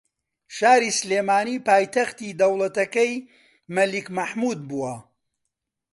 شاری سلێمانی پایتەختی دەوڵەتەکەی مەلیک مەحموود بووە